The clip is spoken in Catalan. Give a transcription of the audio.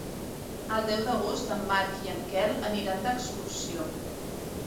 El deu d'agost en Marc i en Quel aniran d'excursió.